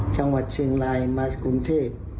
จังหวัดเชียงรายมากรุงเทพ